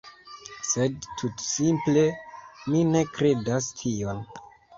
Sed, tutsimple, mi ne kredas tion.